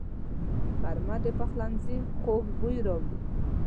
غرمه د پخلنځي خوږ بوی راوړي